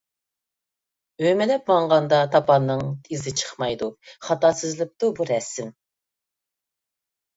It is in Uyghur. ئۆمىلەپ ماڭغاندا تاپاننىڭ ئىزى چىقمايدۇ. خاتا سىزىلىپتۇ بۇ رەسىم.